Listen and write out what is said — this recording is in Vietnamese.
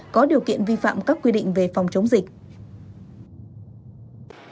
có điều kiện vi phạm các quy định về phòng chống dịch